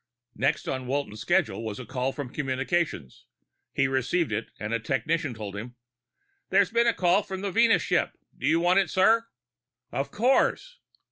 Next on Walton's schedule was a call from communications. He received it and a technician told him, "There's been a call from the Venus ship. Do you want it, sir?" "Of course!"